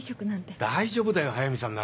大丈夫だよ速見さんなら。